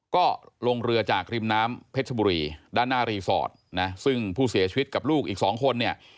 ก็ลงเรือจากริมน้ำเพชรบุรีด้านหน้ารีสอร์ทนะซึ่งผู้เสียชีวิตกับลูกอีกสองคนเนี่ย